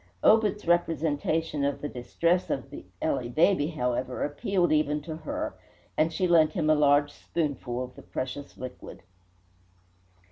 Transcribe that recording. Obed's representation of the distress of the Ely baby, however, appealed even to her, and she lent him a large spoonful of the precious liquid.